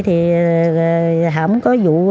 thì không có vụ